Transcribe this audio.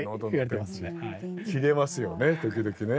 切れますよね時々ね。